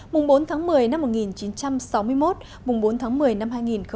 mùng bốn tháng một mươi năm một nghìn chín trăm sáu mươi một mùng bốn tháng một mươi năm hai nghìn hai mươi